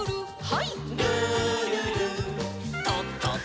はい。